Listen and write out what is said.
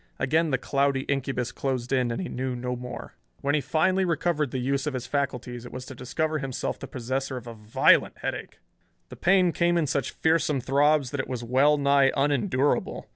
Again the cloudy incubus closed in and he knew no more. When he finally recovered the use of his faculties it was to discover himself the possessor of a violent headache. The pain came in such fearsome throbs that it was well nigh unendurable.